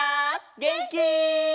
げんき？